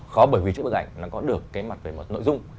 khó bởi vì chữ bức ảnh nó có được cái mặt về một nội dung